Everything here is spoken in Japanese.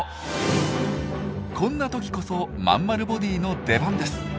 こんな時こそまんまるボディーの出番です。